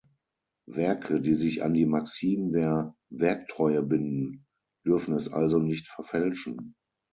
Werke, die sich an die Maxime der Werktreue binden, dürfen es also nicht „verfälschen“.